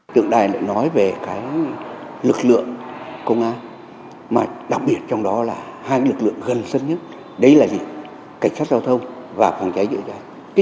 tượng đài nói về lực lượng công an đặc biệt trong đó là hai lực lượng gần sân nhất đấy là gì cảnh sát giao thông và phòng trái dự trái